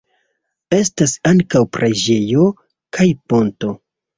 Estas ankaŭ preĝejo kaj ponto.